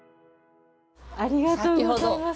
ありがとうございます。